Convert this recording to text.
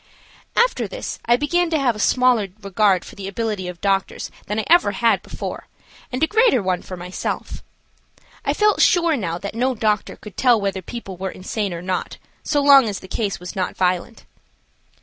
After this, I began to have a smaller regard for the ability of doctors than I ever had before, and a greater one for myself. I felt sure now that no doctor could tell whether people were insane or not, so long as the case was not violent.